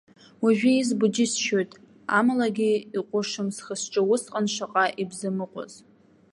Уажәы избо џьысшьоит, амалагьы иҟәышым схы-сҿы, усҟан шаҟа ибзамыҟәыз.